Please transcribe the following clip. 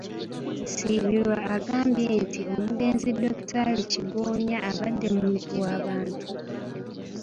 Nsibirwa agambye nti omugenzi Dokitaali Kigonya abadde muntu w'abantu.